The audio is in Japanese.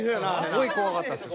すごい怖かったですよ